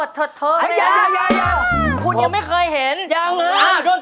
ดูเหนียวนายย่าเราก็มีความทราบนะ